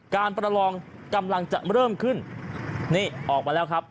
ประลองกำลังจะเริ่มขึ้นนี่ออกมาแล้วครับ